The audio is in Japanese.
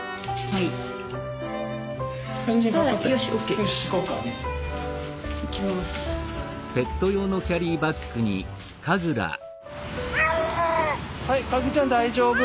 はいカグちゃん大丈夫！